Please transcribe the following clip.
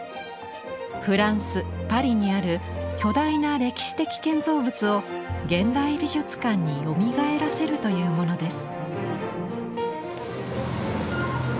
フランスパリにある巨大な歴史的建造物を現代美術館によみがえらせるというものです。